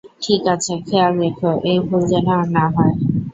ঠিক আছে, খেয়াল রেখো এই ভুল যেন আর না হয়।